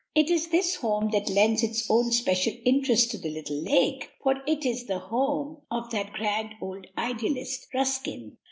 It is this home that lends its own special interest to the little lake, for it is the home of that grand old idealist, Ruskin.